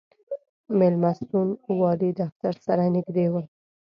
مېلمستون والي دفتر سره نږدې و.